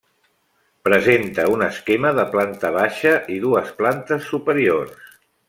Presenta un esquema de planta baixa i dues plantes superiors.